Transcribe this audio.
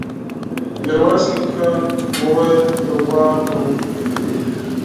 ميرويس نيکه وويل: يو وار کوو.